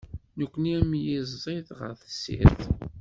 Nekni am yiẓid ɣer tessirt.